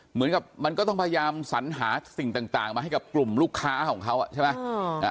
เหมือนกับมันก็ต้องพยายามสัญหาสิ่งต่างมาให้กับกลุ่มลูกค้าของเขาใช่ไหม